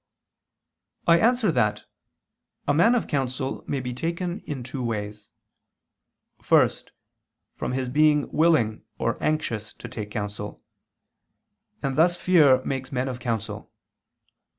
I answer that, A man of counsel may be taken in two ways. First, from his being willing or anxious to take counsel. And thus fear makes men of counsel.